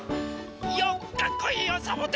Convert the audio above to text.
よっかっこいいよサボテン！